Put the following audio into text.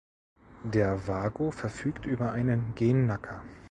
Der Vago verfügt über einen Gennaker.